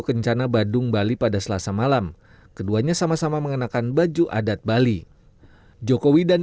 kencana badung bali pada selasa malam keduanya sama sama mengenakan baju adat bali jokowi dan